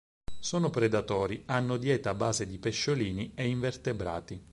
Sono predatori, hanno dieta a base di pesciolini e invertebrati.